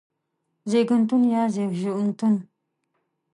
زيږنتون يا زيژنتون